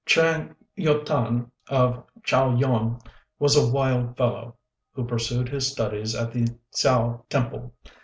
Chang Yü tan, of Chao yuan, was a wild fellow, who pursued his studies at the Hsiao temple.